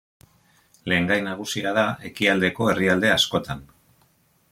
Lehengai nagusia da Ekialdeko herrialde askotan.